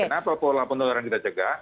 kenapa pola penularan kita cegah